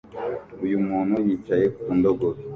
Uyu muntu yicaye ku ndogobe